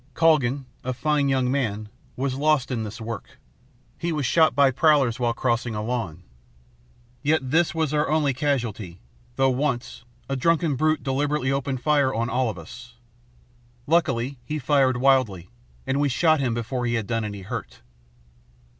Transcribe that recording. Calgan, a fine young man, was lost in this work. He was shot by prowlers while crossing a lawn. Yet this was our only casualty, though, once, a drunken brute deliberately opened fire on all of us. Luckily, he fired wildly, and we shot him before he had done any hurt.